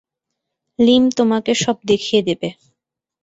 লীম তোমাকে সব দেখিয়ে দেবে।